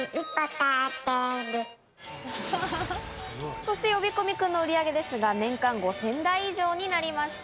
そして呼び込み君の売り上げですが、年間５０００台以上になりました。